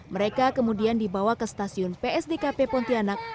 mereka kemudian dibawa ke stasiun psdkp pontianak